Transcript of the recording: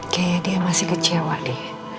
kayaknya dia masih kecewa di